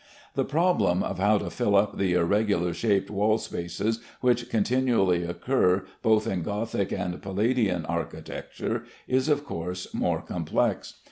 The problem of how to fill up the irregular shaped wall spaces which continually occur both in Gothic and Palladian architecture is of course more complex.